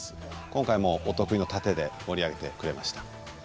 今回もお得意の殺陣で盛り上げてくれました。